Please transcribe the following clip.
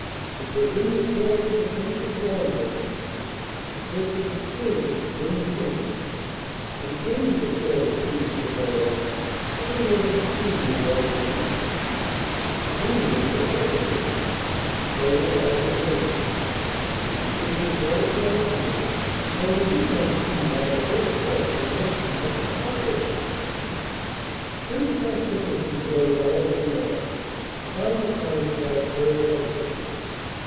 It was in the course of the Prince's wanderings, in search of experience of men and things, that he came to the court of Queen Frivola, where he was extremely well received. The Queen was delighted with him, so were all her ladies; and the King was very polite to him, though he did not quite see why the whole court was making such a fuss over him. Prince Narcissus enjoyed all that went on, and found the time pass very pleasantly.